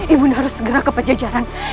ibu nda harus segera ke pejajaran